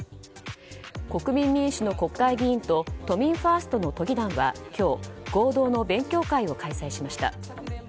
国民民主の国会議員と都民ファーストの都議団は今日合同の勉強会を開催しました。